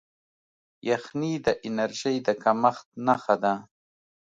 یخني د انرژۍ د کمښت نښه ده.